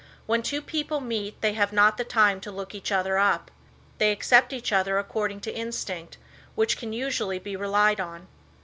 When two people meet they have not the time to look each other up. They accept each other according to instinct which can usually be relied on.